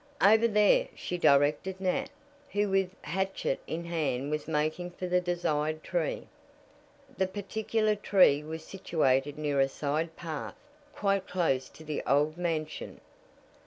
"Over there," she directed Nat, who with hatchet in hand was making for the desired tree. The particular tree was situated near a side path, quite close to the old mansion.